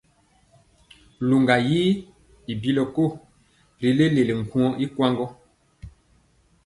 Luŋga yi i bilɔ ko ri leleli nkuŋɔ ikwaŋ gɔ.